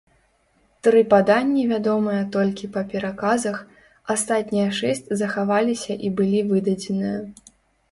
Тры паданні вядомыя толькі па пераказах, астатнія шэсць захаваліся і былі выдадзеныя.